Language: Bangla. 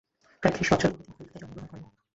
প্রায় ত্রিশ বৎসর পূর্বে তিনি কলিকাতায় জন্মগ্রহণ করেন।